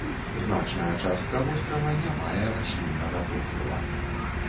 Значная частка вострава не мае расліннага покрыва.